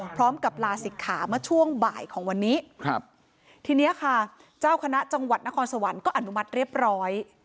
พร้อมกับลาศิกขาเมื่อช่วงบ่ายของวันนี้ครับทีเนี้ยค่ะเจ้าคณะจังหวัดนครสวรรค์ก็อนุมัติเรียบร้อย